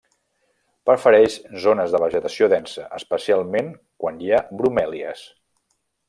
Prefereix zones de vegetació densa, especialment quan hi ha bromèlies.